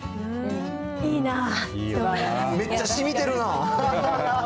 いいなあ。